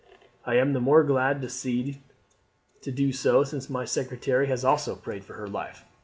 I am the more glad to do so since my secretary has also prayed for her life.